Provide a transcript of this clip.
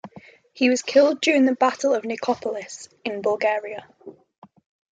He was killed during the battle of Nicopolis, in Bulgaria.